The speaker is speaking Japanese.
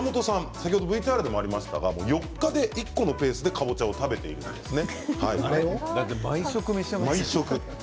先ほどＶＴＲでもありましたが４日で１個のペースでだって毎食召し上がっているんでしょう？